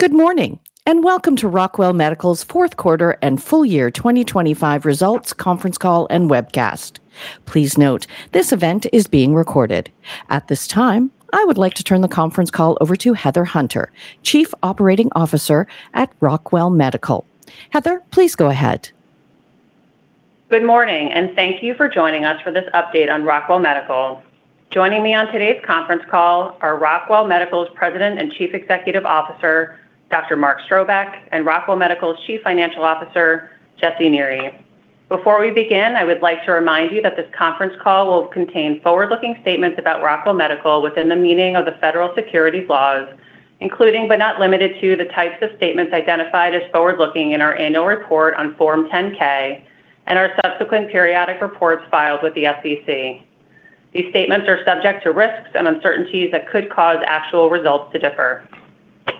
Good morning, and welcome to Rockwell Medical's Fourth Quarter and Full Year 2025 Results Conference Call and Webcast. Please note this event is being recorded. At this time, I would like to turn the conference call over to Heather Hunter, Chief Operating Officer at Rockwell Medical. Heather, please go ahead. Good morning, and thank you for joining us for this update on Rockwell Medical. Joining me on today's conference call are Rockwell Medical's President and Chief Executive Officer, Mark Strobeck, and Rockwell Medical's Chief Financial Officer, Jesse Neri. Before we begin, I would like to remind you that this conference call will contain forward-looking statements about Rockwell Medical within the meaning of the federal securities laws, including, but not limited to, the types of statements identified as forward-looking in our annual report on Form 10-K and our subsequent periodic reports filed with the SEC. These statements are subject to risks and uncertainties that could cause actual results to differ.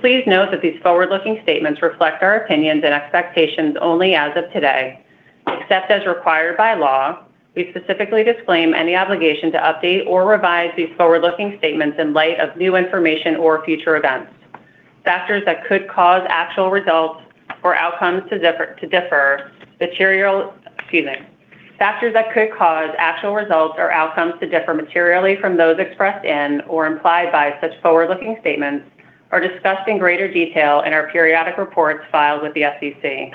Please note that these forward-looking statements reflect our opinions and expectations only as of today. Except as required by law, we specifically disclaim any obligation to update or revise these forward-looking statements in light of new information or future events. Factors that could cause actual results or outcomes to differ materially from those expressed in or implied by such forward-looking statements are discussed in greater detail in our periodic reports filed with the SEC.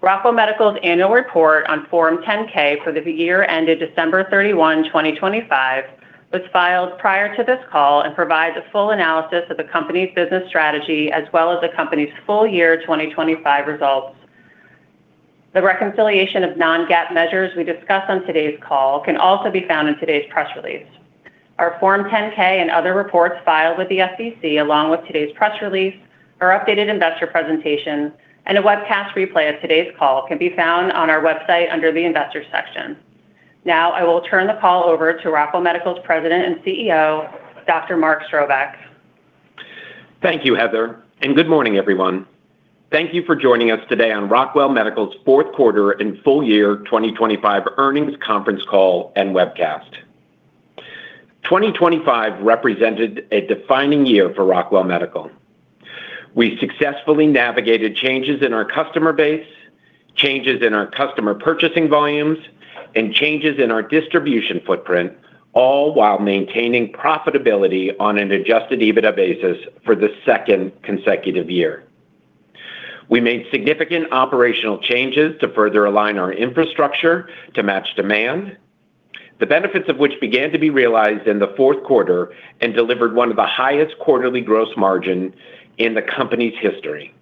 Rockwell Medical's annual report on Form 10-K for the year ended December 31, 2025 was filed prior to this call and provides a full analysis of the company's business strategy as well as the company's full year 2025 results. The reconciliation of non-GAAP measures we discuss on today's call can also be found in today's press release. Our Form 10-K and other reports filed with the SEC, along with today's press release, our updated investor presentation, and a webcast replay of today's call can be found on our website under the Investors section. Now I will turn the call over to Rockwell Medical's President and CEO, Dr. Mark Strobeck. Thank you, Heather, and good morning, everyone. Thank you for joining us today on Rockwell Medical's fourth quarter and full year 2025 earnings conference call and webcast. 2025 represented a defining year for Rockwell Medical. We successfully navigated changes in our customer base, changes in our customer purchasing volumes, and changes in our distribution footprint, all while maintaining profitability on an adjusted EBITDA basis for the second consecutive year. We made significant operational changes to further align our infrastructure to match demand, the benefits of which began to be realized in the fourth quarter and delivered one of the highest quarterly gross margin in the company's history.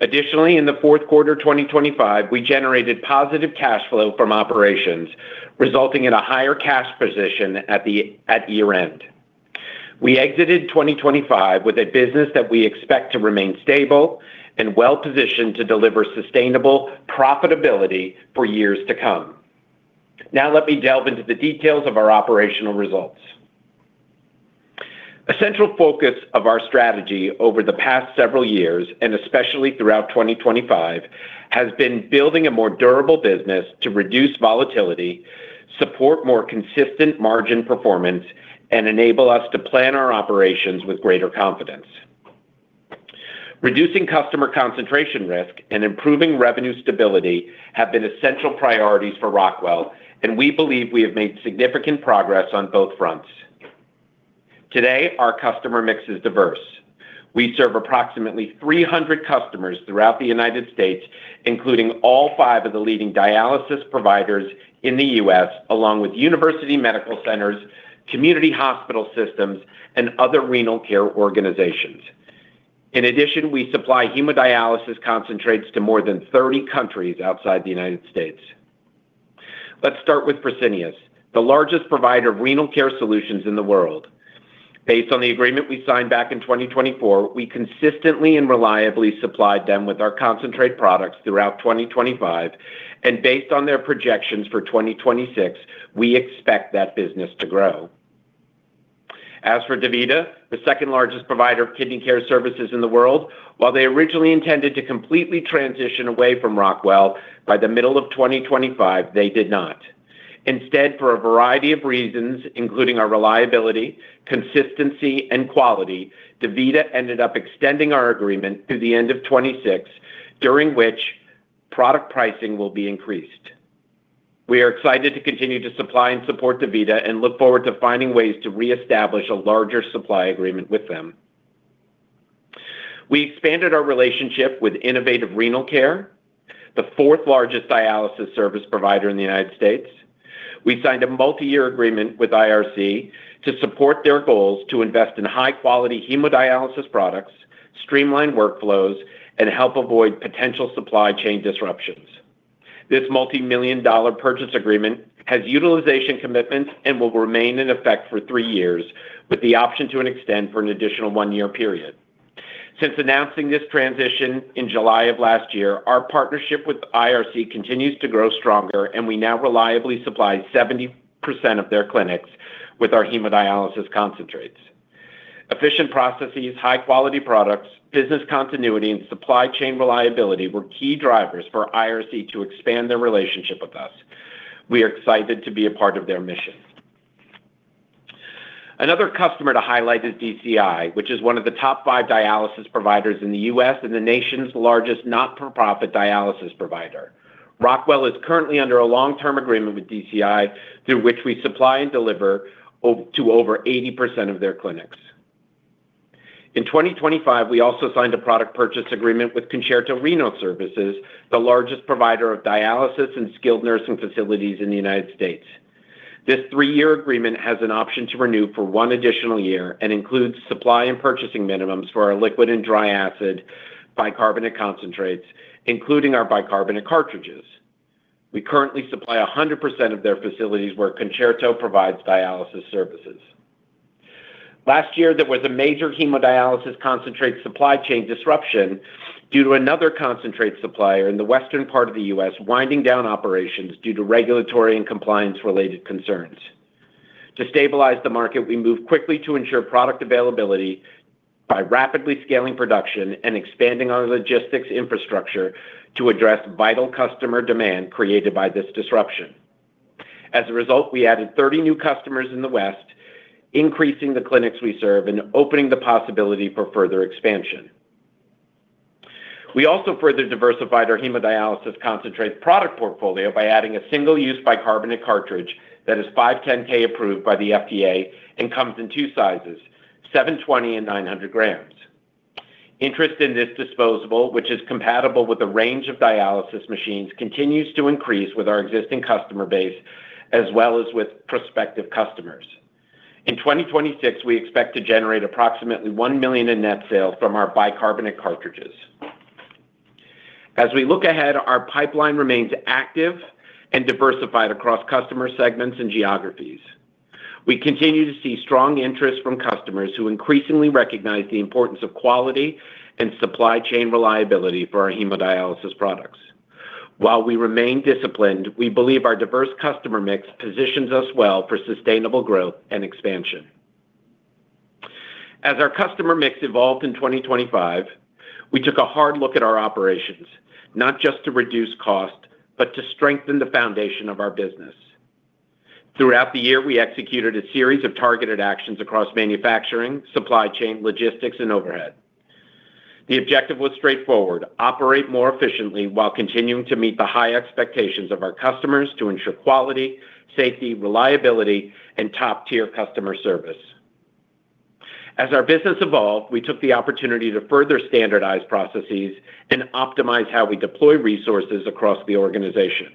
Additionally, in the fourth quarter 2025, we generated positive cash flow from operations, resulting in a higher cash position at year-end. We exited 2025 with a business that we expect to remain stable and well-positioned to deliver sustainable profitability for years to come. Now let me delve into the details of our operational results. A central focus of our strategy over the past several years, and especially throughout 2025, has been building a more durable business to reduce volatility, support more consistent margin performance, and enable us to plan our operations with greater confidence. Reducing customer concentration risk and improving revenue stability have been essential priorities for Rockwell, and we believe we have made significant progress on both fronts. Today, our customer mix is diverse. We serve approximately 300 customers throughout the United States, including all five of the leading dialysis providers in the U.S., along with university medical centers, community hospital systems, and other renal care organizations. In addition, we supply hemodialysis concentrates to more than 30 countries outside the United States. Let's start with Fresenius, the largest provider of renal care solutions in the world. Based on the agreement we signed back in 2024, we consistently and reliably supplied them with our concentrate products throughout 2025, and based on their projections for 2026, we expect that business to grow. As for DaVita, the second-largest provider of kidney care services in the world, while they originally intended to completely transition away from Rockwell by the middle of 2025, they did not. Instead, for a variety of reasons, including our reliability, consistency, and quality, DaVita ended up extending our agreement through the end of 2026, during which product pricing will be increased. We are excited to continue to supply and support DaVita and look forward to finding ways to reestablish a larger supply agreement with them. We expanded our relationship with Innovative Renal Care, the fourth-largest dialysis service provider in the United States. We signed a multi-year agreement with IRC to support their goals to invest in high-quality hemodialysis products, streamline workflows, and help avoid potential supply chain disruptions. This multi-million dollar purchase agreement has utilization commitments and will remain in effect for three years, with the option to extend for an additional one-year period. Since announcing this transition in July of last year, our partnership with IRC continues to grow stronger, and we now reliably supply 70% of their clinics with our hemodialysis concentrates. Efficient processes, high-quality products, business continuity, and supply chain reliability were key drivers for IRC to expand their relationship with us. We are excited to be a part of their mission. Another customer to highlight is DCI, which is one of the top five dialysis providers in the U.S. and the nation's largest not-for-profit dialysis provider. Rockwell is currently under a long-term agreement with DCI through which we supply and deliver to over 80% of their clinics. In 2025, we also signed a product purchase agreement with Concerto Renal Services, the largest provider of dialysis and skilled nursing facilities in the United States. This three-year agreement has an option to renew for one additional year and includes supply and purchasing minimums for our liquid and dry acid bicarbonate concentrates, including our bicarbonate cartridges. We currently supply 100% of their facilities where Concerto provides dialysis services. Last year, there was a major hemodialysis concentrate supply chain disruption due to another concentrate supplier in the western part of the U.S. winding down operations due to regulatory and compliance-related concerns. To stabilize the market, we moved quickly to ensure product availability by rapidly scaling production and expanding our logistics infrastructure to address vital customer demand created by this disruption. As a result, we added 30 new customers in the West, increasing the clinics we serve and opening the possibility for further expansion. We also further diversified our hemodialysis concentrate product portfolio by adding a single-use bicarbonate cartridge that is 510(k) approved by the FDA and comes in two sizes, 720 and 900 grams. Interest in this disposable, which is compatible with a range of dialysis machines, continues to increase with our existing customer base as well as with prospective customers. In 2026, we expect to generate approximately $1 million in net sales from our bicarbonate cartridges. As we look ahead, our pipeline remains active and diversified across customer segments and geographies. We continue to see strong interest from customers who increasingly recognize the importance of quality and supply chain reliability for our hemodialysis products. While we remain disciplined, we believe our diverse customer mix positions us well for sustainable growth and expansion. As our customer mix evolved in 2025, we took a hard look at our operations, not just to reduce cost, but to strengthen the foundation of our business. Throughout the year, we executed a series of targeted actions across manufacturing, supply chain, logistics, and overhead. The objective was straightforward. Operate more efficiently while continuing to meet the high expectations of our customers to ensure quality, safety, reliability, and top-tier customer service. As our business evolved, we took the opportunity to further standardize processes and optimize how we deploy resources across the organization.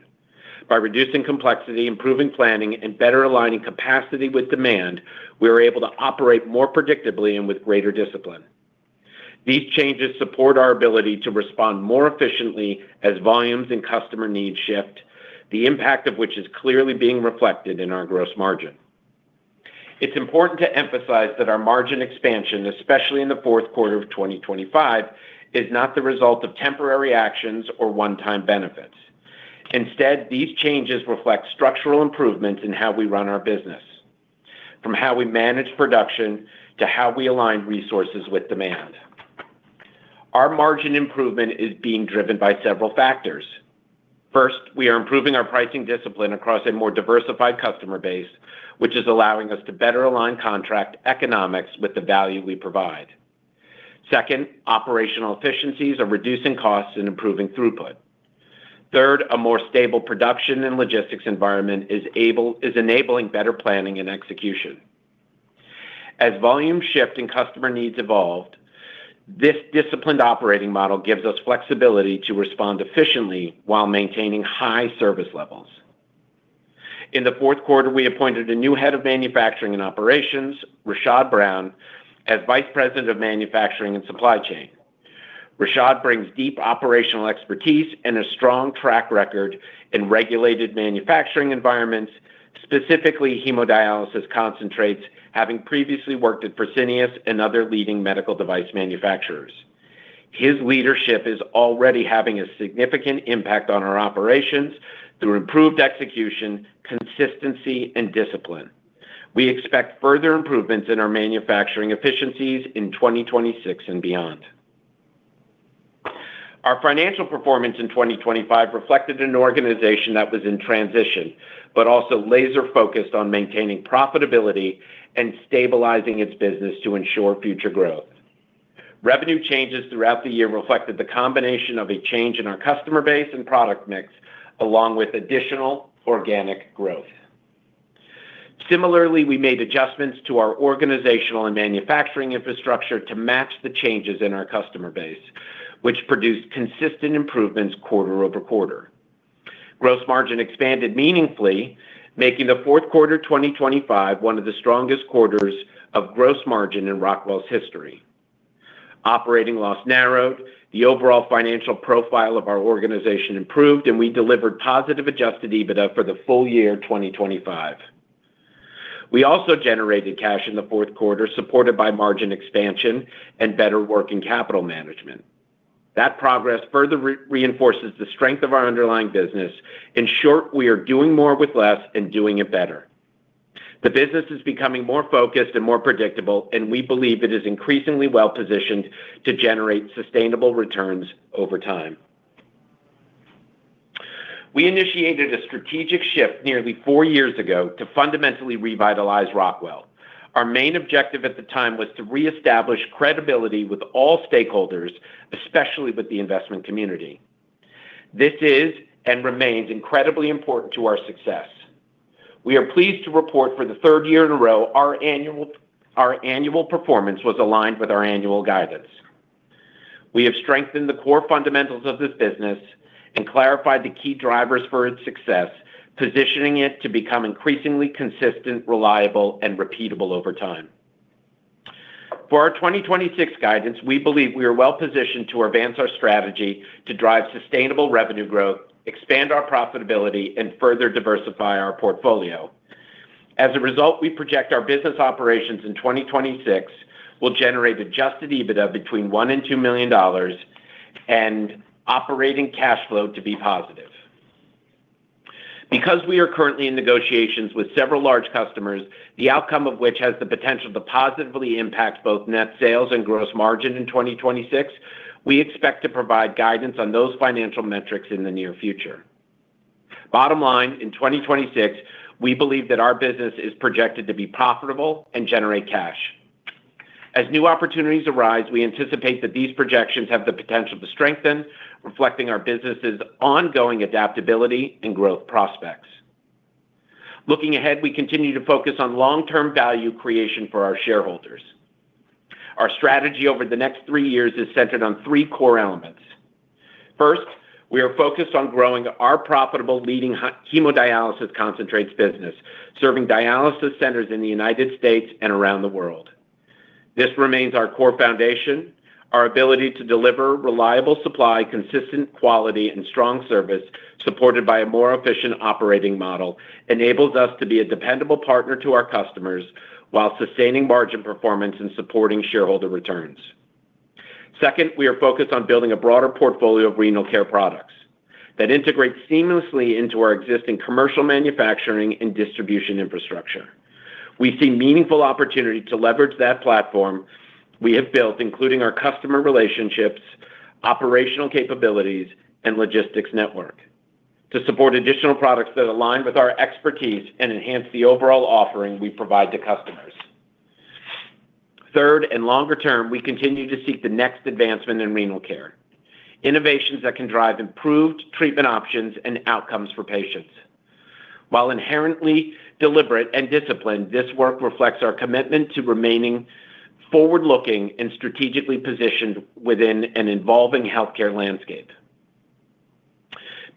By reducing complexity, improving planning, and better aligning capacity with demand, we were able to operate more predictably and with greater discipline. These changes support our ability to respond more efficiently as volumes and customer needs shift, the impact of which is clearly being reflected in our gross margin. It's important to emphasize that our margin expansion, especially in the fourth quarter of 2025, is not the result of temporary actions or one-time benefits. Instead, these changes reflect structural improvements in how we run our business, from how we manage production to how we align resources with demand. Our margin improvement is being driven by several factors. First, we are improving our pricing discipline across a more diversified customer base, which is allowing us to better align contract economics with the value we provide. Second, operational efficiencies are reducing costs and improving throughput. Third, a more stable production and logistics environment is enabling better planning and execution. As volume shift and customer needs evolved, this disciplined operating model gives us flexibility to respond efficiently while maintaining high service levels. In the fourth quarter, we appointed a new head of manufacturing and operations, Rashad Brown, as Vice President of Manufacturing and Supply Chain. Rashad brings deep operational expertise and a strong track record in regulated manufacturing environments, specifically hemodialysis concentrates, having previously worked at Fresenius and other leading medical device manufacturers. His leadership is already having a significant impact on our operations through improved execution, consistency, and discipline. We expect further improvements in our manufacturing efficiencies in 2026 and beyond. Our financial performance in 2025 reflected an organization that was in transition, but also laser-focused on maintaining profitability and stabilizing its business to ensure future growth. Revenue changes throughout the year reflected the combination of a change in our customer base and product mix, along with additional organic growth. Similarly, we made adjustments to our organizational and manufacturing infrastructure to match the changes in our customer base, which produced consistent improvements quarter-over-quarter. Gross margin expanded meaningfully, making the fourth quarter 2025 one of the strongest quarters of gross margin in Rockwell's history. Operating loss narrowed, the overall financial profile of our organization improved, and we delivered positive Adjusted EBITDA for the full year 2025. We also generated cash in the fourth quarter, supported by margin expansion and better working capital management. That progress further reinforces the strength of our underlying business. In short, we are doing more with less and doing it better. The business is becoming more focused and more predictable, and we believe it is increasingly well-positioned to generate sustainable returns over time. We initiated a strategic shift nearly four years ago to fundamentally revitalize Rockwell. Our main objective at the time was to reestablish credibility with all stakeholders, especially with the investment community. This is and remains incredibly important to our success. We are pleased to report for the third year in a row our annual performance was aligned with our annual guidance. We have strengthened the core fundamentals of this business and clarified the key drivers for its success, positioning it to become increasingly consistent, reliable, and repeatable over time. For our 2026 guidance, we believe we are well positioned to advance our strategy to drive sustainable revenue growth, expand our profitability, and further diversify our portfolio. As a result, we project our business operations in 2026 will generate Adjusted EBITDA between $1 million and $2 million and operating cash flow to be positive. Because we are currently in negotiations with several large customers, the outcome of which has the potential to positively impact both net sales and gross margin in 2026, we expect to provide guidance on those financial metrics in the near future. Bottom line, in 2026, we believe that our business is projected to be profitable and generate cash. As new opportunities arise, we anticipate that these projections have the potential to strengthen, reflecting our business's ongoing adaptability and growth prospects. Looking ahead, we continue to focus on long-term value creation for our shareholders. Our strategy over the next three years is centered on three core elements. First, we are focused on growing our profitable leading hemodialysis concentrates business, serving dialysis centers in the United States and around the world. This remains our core foundation. Our ability to deliver reliable supply, consistent quality, and strong service, supported by a more efficient operating model, enables us to be a dependable partner to our customers while sustaining margin performance and supporting shareholder returns. Second, we are focused on building a broader portfolio of renal care products that integrate seamlessly into our existing commercial manufacturing and distribution infrastructure. We see meaningful opportunity to leverage that platform we have built, including our customer relationships, operational capabilities, and logistics network to support additional products that align with our expertise and enhance the overall offering we provide to customers. Third and longer term, we continue to seek the next advancement in renal care, innovations that can drive improved treatment options and outcomes for patients. While inherently deliberate and disciplined, this work reflects our commitment to remaining forward-looking and strategically positioned within an evolving healthcare landscape.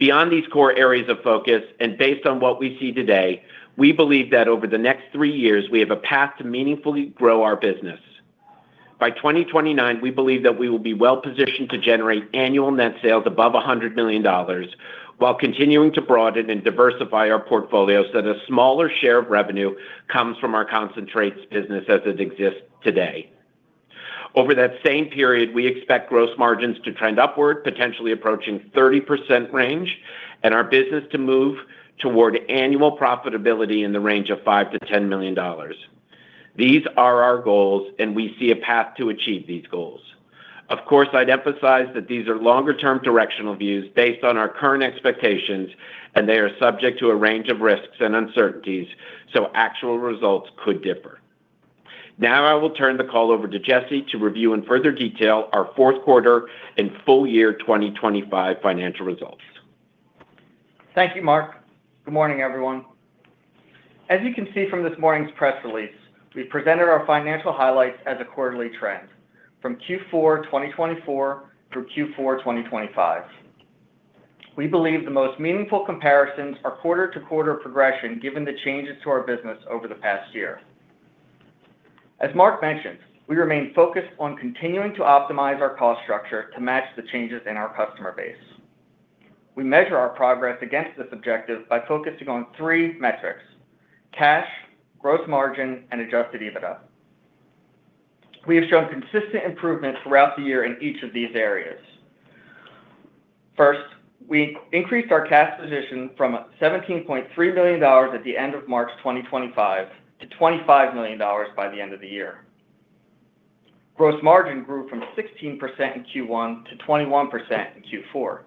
Beyond these core areas of focus and based on what we see today, we believe that over the next three years, we have a path to meaningfully grow our business. By 2029, we believe that we will be well positioned to generate annual net sales above $100 million while continuing to broaden and diversify our portfolio so that a smaller share of revenue comes from our concentrates business as it exists today. Over that same period, we expect gross margins to trend upward, potentially approaching 30% range, and our business to move toward annual profitability in the range of $5 million-$10 million. These are our goals, and we see a path to achieve these goals. Of course, I'd emphasize that these are longer-term directional views based on our current expectations, and they are subject to a range of risks and uncertainties, so actual results could differ. Now I will turn the call over to Jesse to review in further detail our fourth quarter and full year 2025 financial results. Thank you, Mark. Good morning, everyone. As you can see from this morning's press release, we presented our financial highlights as a quarterly trend from Q4 2024 through Q4 2025. We believe the most meaningful comparisons are quarter-to-quarter progression given the changes to our business over the past year. As Mark mentioned, we remain focused on continuing to optimize our cost structure to match the changes in our customer base. We measure our progress against this objective by focusing on three metrics, cash, gross margin, and Adjusted EBITDA. We have shown consistent improvement throughout the year in each of these areas. First, we increased our cash position from $17.3 million at the end of March 2025 to $25 million by the end of the year. Gross margin grew from 16% in Q1 to 21% in Q4.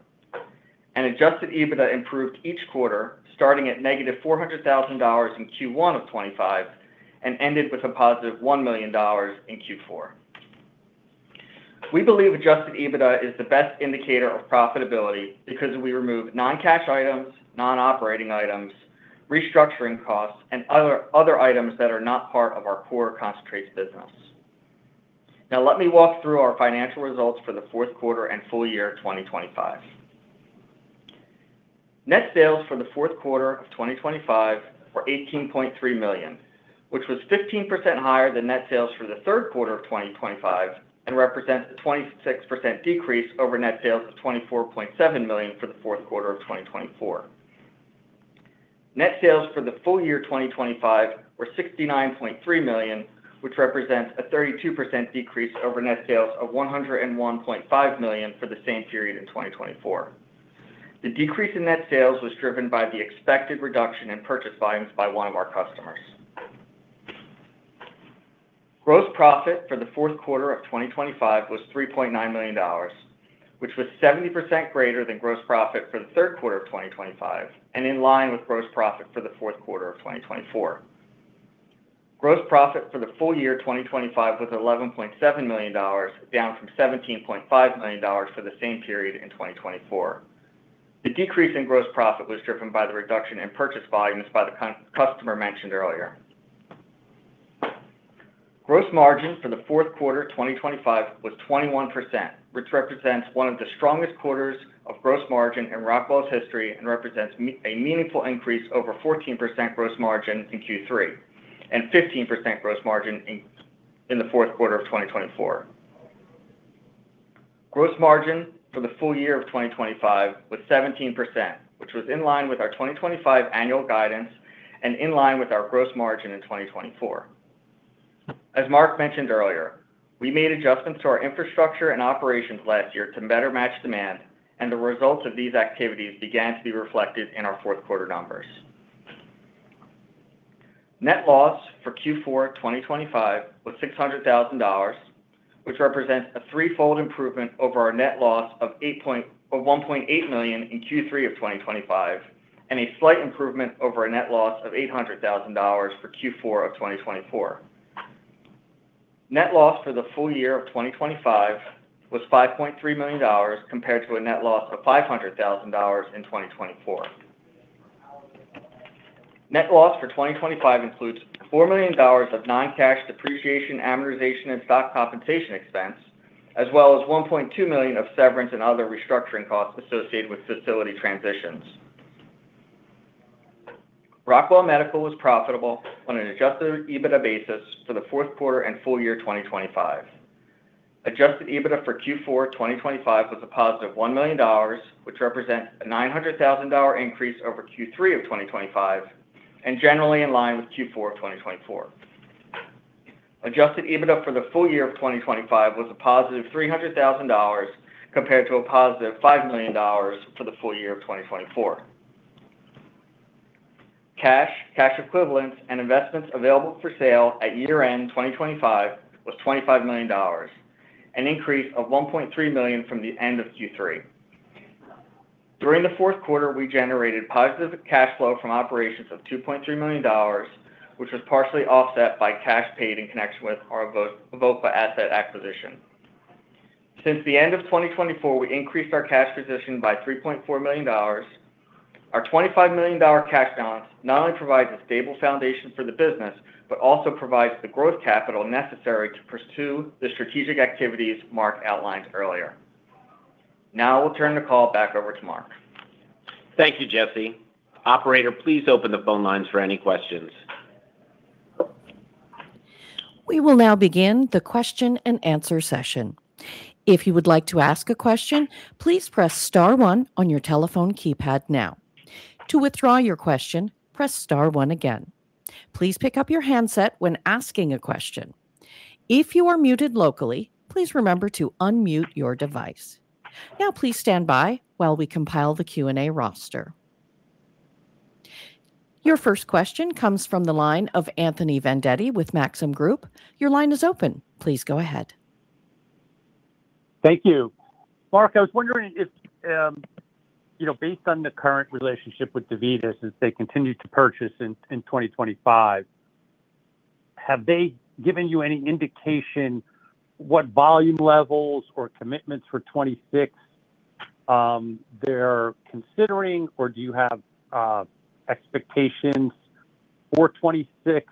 Adjusted EBITDA improved each quarter, starting at -$400,000 in Q1 of 2025 and ended with a positive $1 million in Q4. We believe adjusted EBITDA is the best indicator of profitability because we remove non-cash items, non-operating items, restructuring costs, and other items that are not part of our core concentrates business. Now, let me walk through our financial results for the fourth quarter and full year 2025. Net sales for the fourth quarter of 2025 were $18.3 million, which was 15% higher than net sales for the third quarter of 2025 and represents a 26% decrease over net sales of $24.7 million for the fourth quarter of 2024. Net sales for the full year 2025 were $69.3 million, which represents a 32% decrease over net sales of $101.5 million for the same period in 2024. The decrease in net sales was driven by the expected reduction in purchase volumes by one of our customers. Gross profit for the fourth quarter of 2025 was $3.9 million, which was 70% greater than gross profit for the third quarter of 2025 and in line with gross profit for the fourth quarter of 2024. Gross profit for the full year 2025 was $11.7 million, down from $17.5 million for the same period in 2024. The decrease in gross profit was driven by the reduction in purchase volumes by the customer mentioned earlier. Gross margin for the fourth quarter 2025 was 21%, which represents one of the strongest quarters of gross margin in Rockwell's history and represents a meaningful increase over 14% gross margin in Q3 and 15% gross margin in the fourth quarter of 2024. Gross margin for the full year of 2025 was 17%, which was in line with our 2025 annual guidance and in line with our gross margin in 2024. As Mark mentioned earlier, we made adjustments to our infrastructure and operations last year to better match demand, and the results of these activities began to be reflected in our fourth quarter numbers. Net loss for Q4 2025 was $600,000, which represents a threefold improvement over our net loss of eight point... of $1.8 million in Q3 of 2025, and a slight improvement over our net loss of $800,000 for Q4 of 2024. Net loss for the full year of 2025 was $5.3 million, compared to a net loss of $500,000 in 2024. Net loss for 2025 includes $4 million of non-cash depreciation, amortization, and stock compensation expense, as well as $1.2 million of severance and other restructuring costs associated with facility transitions. Rockwell Medical was profitable on an Adjusted EBITDA basis for the fourth quarter and full year 2025. Adjusted EBITDA for Q4 2025 was a positive $1 million, which represents a $900,000 increase over Q3 of 2025 and generally in line with Q4 of 2024. Adjusted EBITDA for the full year of 2025 was a positive $300,000 compared to a positive $5 million for the full year of 2024. Cash, cash equivalents and investments available for sale at year-end 2025 was $25 million, an increase of $1.3 million from the end of Q3. During the fourth quarter, we generated positive cash flow from operations of $2.3 million, which was partially offset by cash paid in connection with our Evoqua asset acquisition. Since the end of 2024, we increased our cash position by $3.4 million. Our $25 million cash balance not only provides a stable foundation for the business, but also provides the growth capital necessary to pursue the strategic activities Mark outlined earlier. Now I will turn the call back over to Mark. Thank you, Jesse. Operator, please open the phone lines for any questions. Your first question comes from the line of Anthony Vendetti with Maxim Group. Your line is open. Please go ahead. Thank you. Mark, I was wondering if you know, based on the current relationship with DaVita, since they continued to purchase in 2025, have they given you any indication what volume levels or commitments for 2026 they're considering, or do you have expectations for 2026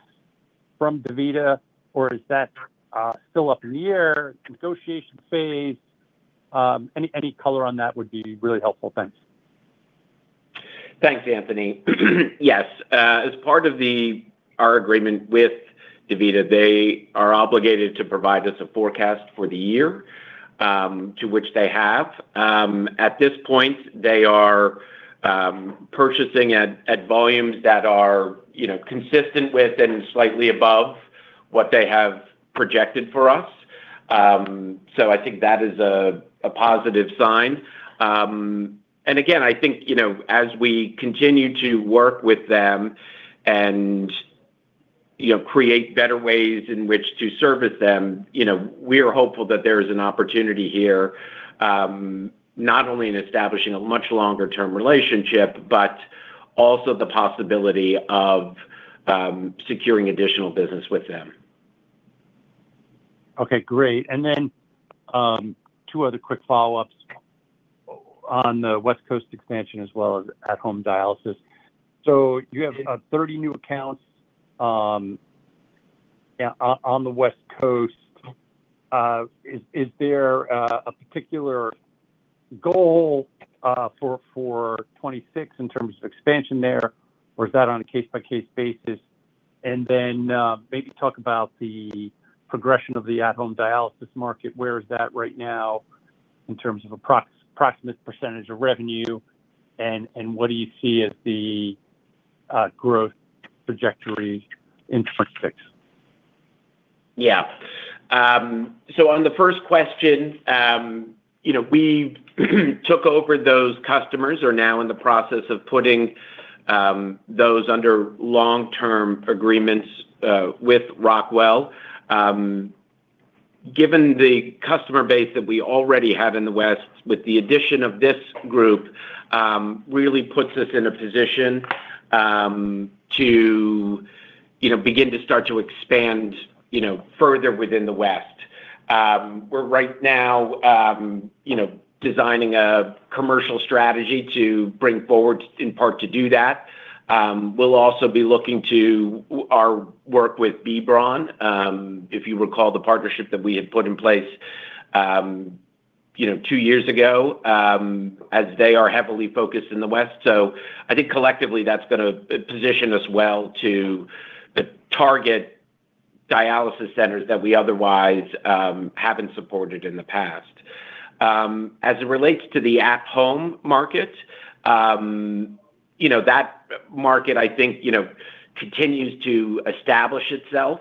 from DaVita, or is that still up in the air, negotiation phase? Any color on that would be really helpful. Thanks. Thanks, Anthony. Yes, as part of our agreement with DaVita, they are obligated to provide us a forecast for the year, to which they have. At this point they are purchasing at volumes that are, you know, consistent with and slightly above what they have projected for us. I think that is a positive sign. Again, I think, you know, as we continue to work with them and, you know, create better ways in which to service them, you know, we are hopeful that there is an opportunity here, not only in establishing a much longer-term relationship, but also the possibility of securing additional business with them. Okay, great. Two other quick follow-ups on the West Coast expansion as well as at-home dialysis. You have 30 new accounts, yeah, on the West Coast. Is there a particular goal for 2026 in terms of expansion there, or is that on a case-by-case basis? Maybe talk about the progression of the at-home dialysis market. Where is that right now in terms of approximate percentage of revenue, and what do you see as the growth trajectory in 2026? Yeah. On the first question, you know, we took over those customers, are now in the process of putting those under long-term agreements with Rockwell. Given the customer base that we already have in the West with the addition of this group, really puts us in a position to, you know, begin to start to expand, you know, further within the West. We're right now, you know, designing a commercial strategy to bring forward in part to do that. We'll also be looking to our work with B. Braun, if you recall the partnership that we had put in place, you know, two years ago, as they are heavily focused in the West. I think collectively that's going to position us well to target dialysis centers that we otherwise haven't supported in the past. As it relates to the at-home market, you know, that market I think, you know, continues to establish itself.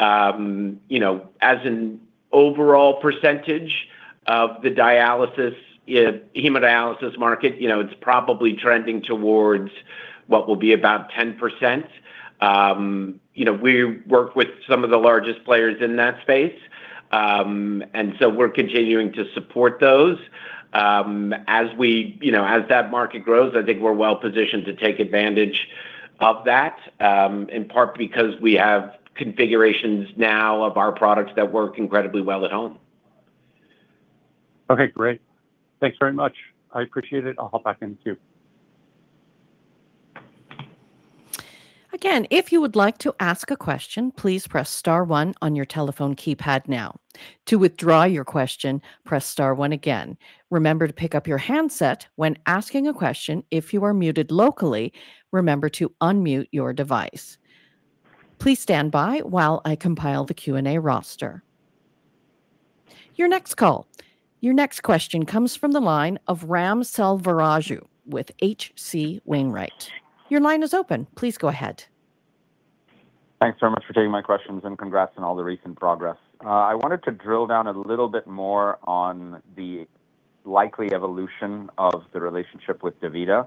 You know, as an overall percentage of the dialysis and hemodialysis market, you know, it's probably trending towards what will be about 10%. You know, we work with some of the largest players in that space, and so we're continuing to support those. As that market grows, I think we're well positioned to take advantage of that, in part because we have configurations now of our products that work incredibly well at home. Okay, great. Thanks very much. I appreciate it. I'll hop back in the queue. Again, if you would like to ask a question, please press star one on your telephone keypad now. To withdraw your question, press star one again. Remember to pick up your handset when asking a question. If you are muted locally, remember to unmute your device. Please stand by while I compile the Q&A roster. Your next call. Your next question comes from the line of Ram Selvaraju with H.C. Wainwright. Your line is open. Please go ahead. Thanks so much for taking my questions and congrats on all the recent progress. I wanted to drill down a little bit more on the likely evolution of the relationship with DaVita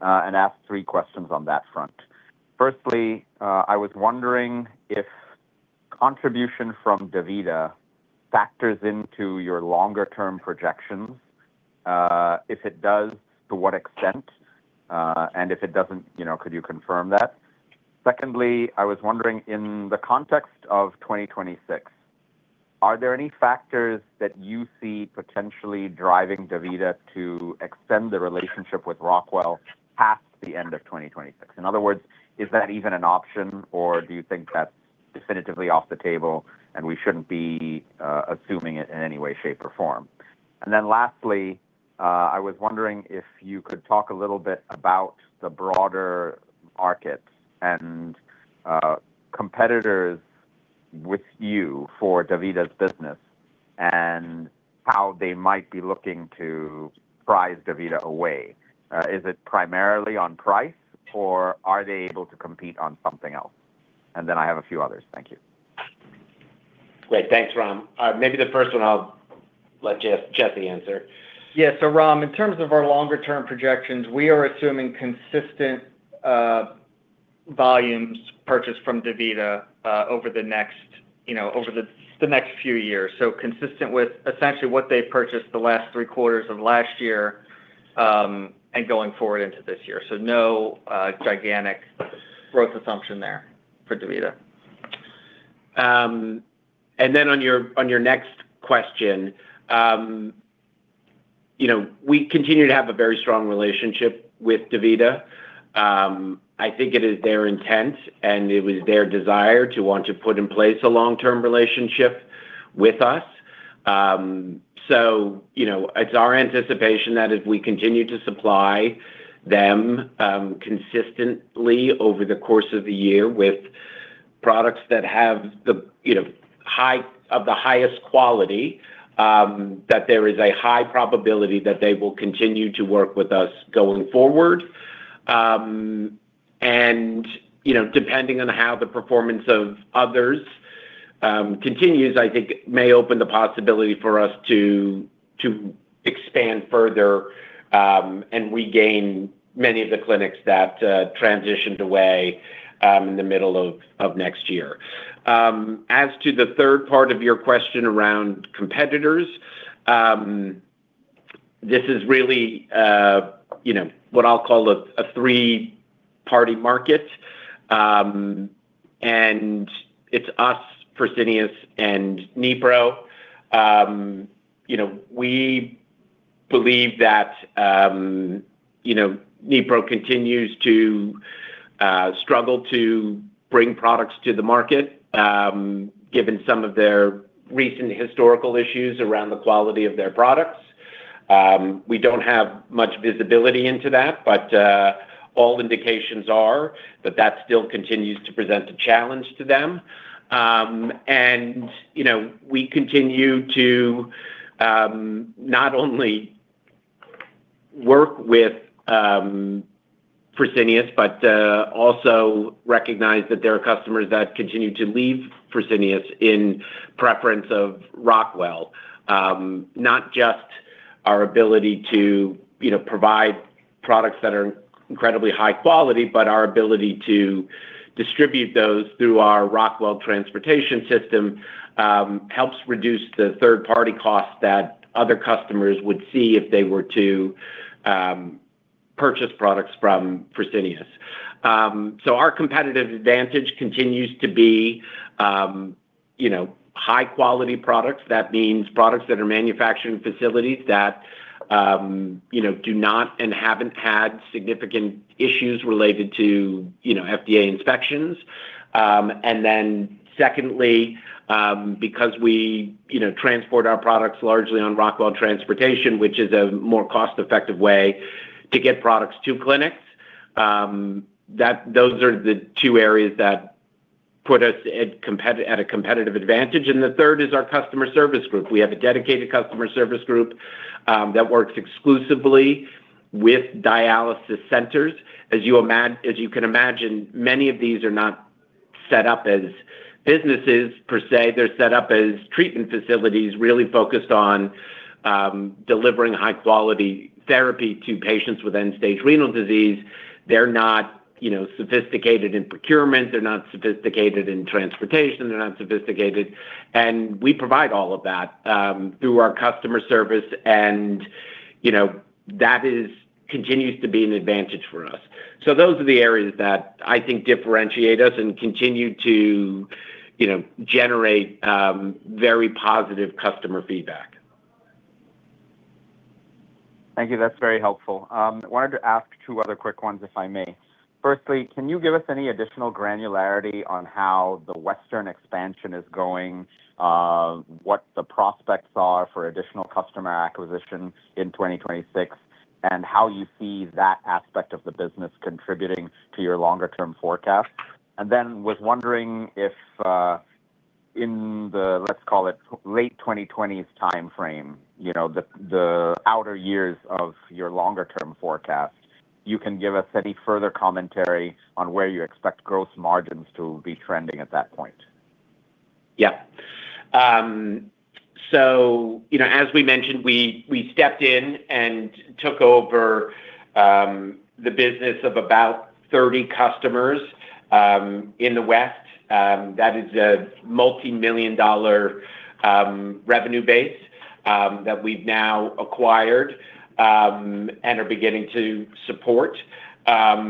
and ask three questions on that front. Firstly, I was wondering if contribution from DaVita factors into your longer term projections. If it does, to what extent? If it doesn't, you know, could you confirm that? Secondly, I was wondering, in the context of 2026, are there any factors that you see potentially driving DaVita to extend the relationship with Rockwell past the end of 2026? In other words, is that even an option or do you think that's definitively off the table and we shouldn't be assuming it in any way, shape, or form? Lastly, I was wondering if you could talk a little bit about the broader markets and competitors with you for DaVita's business and how they might be looking to pry DaVita away. Is it primarily on price or are they able to compete on something else? I have a few others. Thank you. Great. Thanks, Ram. Maybe the first one I'll let Jesse Neri answer. Yeah. Ram, in terms of our longer term projections, we are assuming consistent volumes purchased from DaVita over the next few years. Consistent with essentially what they've purchased the last three quarters of last year and going forward into this year. No gigantic growth assumption there for DaVita. On your next question, we continue to have a very strong relationship with DaVita. I think it is their intent and it was their desire to want to put in place a long-term relationship with us. You know, it's our anticipation that as we continue to supply them consistently over the course of the year with products that have the, you know, highest quality, that there is a high probability that they will continue to work with us going forward. You know, depending on how the performance of others continues, I think it may open the possibility for us to expand further and regain many of the clinics that transitioned away in the middle of next year. As to the third part of your question around competitors, this is really, you know, what I'll call a three-party market. It's us, Fresenius, and Nipro. You know, we believe that, you know, Nipro continues to struggle to bring products to the market, given some of their recent historical issues around the quality of their products. We don't have much visibility into that, but all indications are that that still continues to present a challenge to them. You know, we continue to not only work with Fresenius, but also recognize that there are customers that continue to leave Fresenius in preference of Rockwell. Not just our ability to, you know, provide products that are incredibly high quality, but our ability to distribute those through our Rockwell Transportation system helps reduce the third-party costs that other customers would see if they were to purchase products from Fresenius. Our competitive advantage continues to be, you know, high-quality products. That means products that are manufacturing facilities that, you know, do not and haven't had significant issues related to, you know, FDA inspections. Then secondly, because we, you know, transport our products largely on Rockwell Transportation, which is a more cost-effective way to get products to clinics, those are the two areas that put us at a competitive advantage. The third is our customer service group. We have a dedicated customer service group, that works exclusively with dialysis centers. As you can imagine, many of these are not set up as businesses per se. They're set up as treatment facilities really focused on, delivering high-quality therapy to patients with end-stage renal disease. They're not, you know, sophisticated in procurement. They're not sophisticated in transportation. They're not sophisticated. We provide all of that through our customer service. You know, that continues to be an advantage for us. Those are the areas that I think differentiate us and continue to, you know, generate very positive customer feedback. Thank you. That's very helpful. Wanted to ask two other quick ones, if I may. Firstly, can you give us any additional granularity on how the Western expansion is going, what the prospects are for additional customer acquisition in 2026, and how you see that aspect of the business contributing to your longer-term forecast? Was wondering if, in the, let's call it late 2020s timeframe, you know, the outer years of your longer term forecast, you can give us any further commentary on where you expect gross margins to be trending at that point. Yeah. So, you know, as we mentioned, we stepped in and took over the business of about 30 customers in the West. That is a multimillion-dollar revenue base that we've now acquired and are beginning to support. That,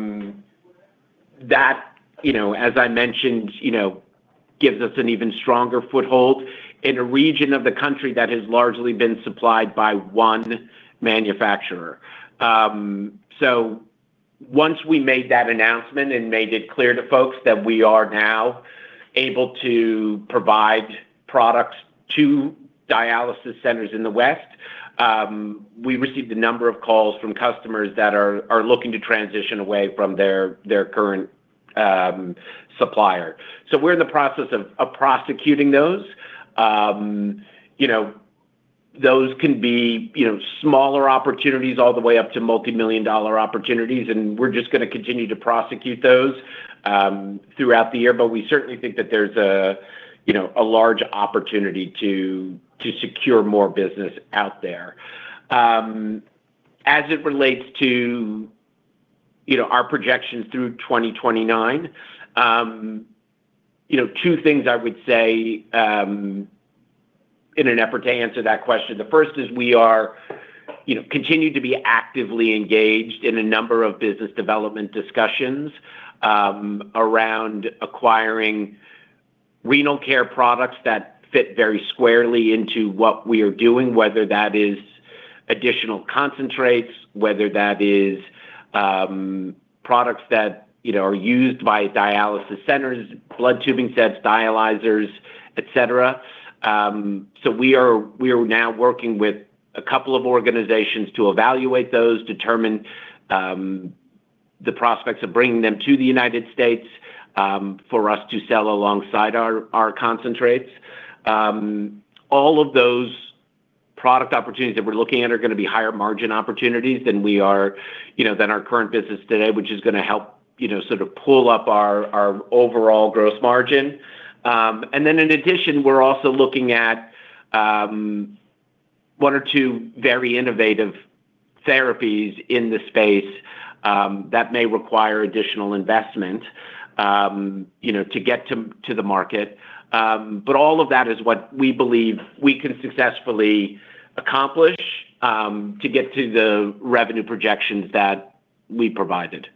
you know, as I mentioned, you know, gives us an even stronger foothold in a region of the country that has largely been supplied by one manufacturer. Once we made that announcement and made it clear to folks that we are now able to provide products to dialysis centers in the West, we received a number of calls from customers that are looking to transition away from their current supplier. We're in the process of prosecuting those. You know, those can be, you know, smaller opportunities all the way up to multimillion-dollar opportunities, and we're just going to continue to prosecute those throughout the year. We certainly think that there's a you know, a large opportunity to secure more business out there. As it relates to, you know, our projections through 2029, you know, two things I would say in an effort to answer that question. The first is we are, you know, continue to be actively engaged in a number of business development discussions around acquiring renal care products that fit very squarely into what we are doing, whether that is additional concentrates, whether that is products that, you know, are used by dialysis centers, blood tubing sets, dialyzers, et cetera. We are now working with a couple of organizations to evaluate those, determine the prospects of bringing them to the United States for us to sell alongside our concentrates. All of those product opportunities that we're looking at are going to be higher margin opportunities than our current business today, you know, which is going to help, you know, sort of pull up our overall gross margin. In addition, we're also looking at one or two very innovative therapies in the space that may require additional investment, you know, to get to the market. All of that is what we believe we can successfully accomplish to get to the revenue projections that we provided.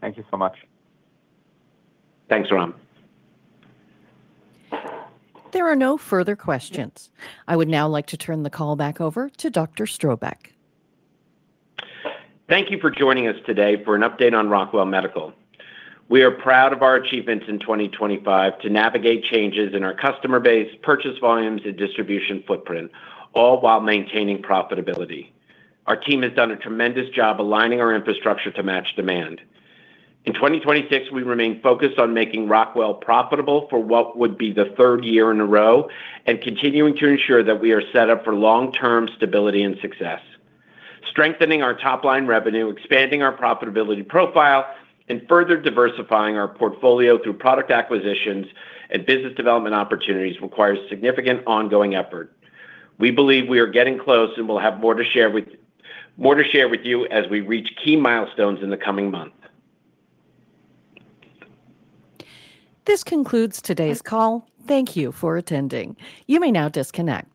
Thank you so much. Thanks, Ram. There are no further questions. I would now like to turn the call back over to Dr. Strobeck. Thank you for joining us today for an update on Rockwell Medical. We are proud of our achievements in 2025 to navigate changes in our customer base, purchase volumes, and distribution footprint, all while maintaining profitability. Our team has done a tremendous job aligning our infrastructure to match demand. In 2026, we remain focused on making Rockwell profitable for what would be the third year in a row and continuing to ensure that we are set up for long-term stability and success. Strengthening our top-line revenue, expanding our profitability profile, and further diversifying our portfolio through product acquisitions and business development opportunities requires significant ongoing effort. We believe we are getting close and will have more to share with you as we reach key milestones in the coming months. This concludes today's call. Thank you for attending. You may now disconnect.